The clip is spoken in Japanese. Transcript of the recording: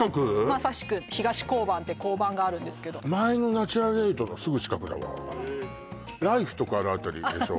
まさしく東交番って交番があるんですけど前のナチュラルエイトのすぐ近くだわＬＩＦＥとかある辺りでしょ？